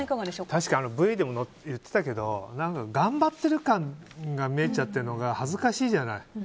確かにＶでも言ってたけど頑張ってる感が出ちゃってるのが恥ずかしいじゃない。